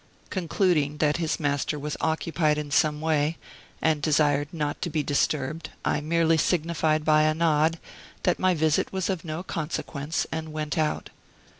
Concluding that his master was occupied in some way, and desired not to be disturbed, I merely signified by a nod that my visit was of no consequence, and went out.